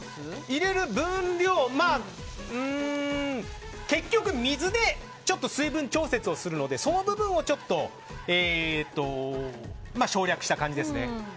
入れる分量は結局、水で水分調節をするのでその部分を省略した感じですね。